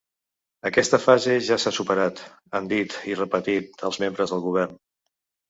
Aquesta fase ja s’ha superat, han dit i repetit els membres del govern.